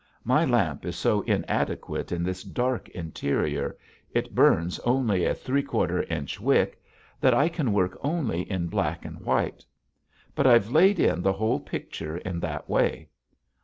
My lamp is so inadequate in this dark interior it burns only a three quarter inch wick that I can work only in black and white. But I've laid in the whole picture in that way.